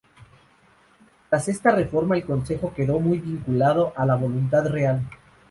Tras esta reforma el Consejo quedó muy vinculado a la voluntad real.